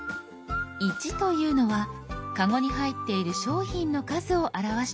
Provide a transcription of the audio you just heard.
「１」というのはカゴに入っている商品の数を表しています。